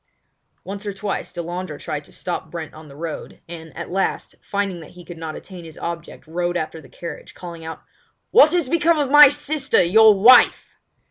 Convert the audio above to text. Once or twice Delandre tried to stop Brent on the road, and, at last, finding that he could not attain his object rode after the carriage, calling out: "What has become of my sister, your wife?"